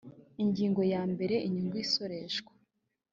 ingingo yambere inyungu isoreshwa